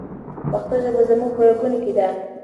پښتو ژبه زموږ په رګونو کې ده.